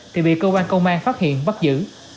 thì bị cơ quan công an phát hiện bắt giữ